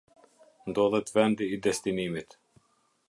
Ndodhet vendi i destinimit.